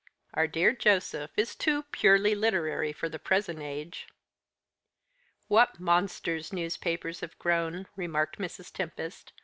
Our dear Joseph is too purely literary for the present age." "What monsters newspapers have grown," remarked Mrs. Tempest.